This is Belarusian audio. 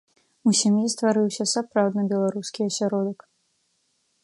У сям'і стварыўся сапраўдны беларускі асяродак.